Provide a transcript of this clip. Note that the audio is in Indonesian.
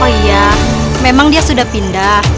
oh iya memang dia sudah pindah